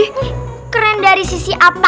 ini keren dari sisi apa